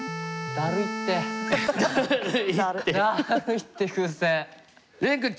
だるいって風船。